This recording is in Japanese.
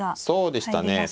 そうでしたね